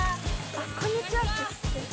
あっ「こんにちは」って。